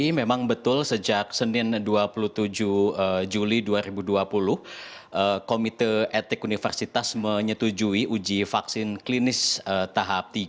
ini memang betul sejak senin dua puluh tujuh juli dua ribu dua puluh komite etik universitas menyetujui uji vaksin klinis tahap tiga